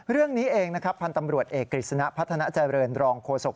เรื่องนี้เองพตเกฎิศนพัฒนาเจริญรองโคศก